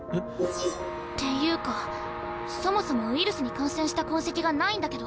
っていうかそもそもウイルスに感染した痕跡がないんだけど。